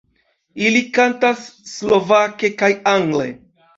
Ili kantas slovake kaj angle.